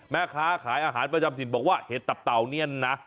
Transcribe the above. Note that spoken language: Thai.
แม่ค้าขายอาหารประจำถิ่นบอกว่าเห็ดตับเต่าเนี่ยนะ